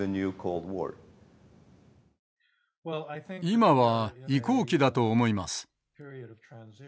今は移行期だと思います。